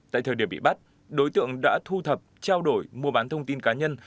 tại thời điểm bị bắt đối tượng đã thu thập trao đổi mua bán thông tin cá nhân